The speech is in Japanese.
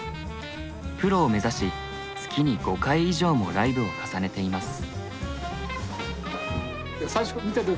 プロを目指し月に５回以上もライブを重ねています。